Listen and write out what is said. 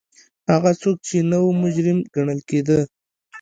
هغه څوک چې نه و مجرم ګڼل کېده.